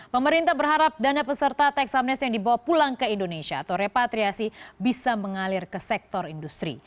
pemerintah berharap dana peserta tax amnes yang dibawa pulang ke indonesia atau repatriasi bisa mengalir ke sektor industri